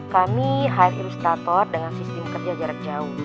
kami hire ilustrator dengan sistem kerja jarak jauh